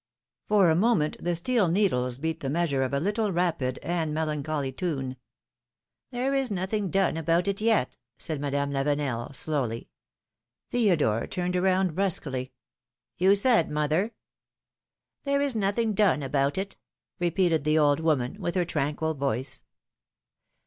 " For a moment the steel needles beat the measure of a little rapid and melancholy tune. There is nothing done about it yet/' said Madame Lavenel, slowly. Theodore turned around brusquely. You said, mother?" There is nothing done about it," repeated the old woman with her tranquil voice.